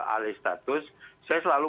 alih status saya selalu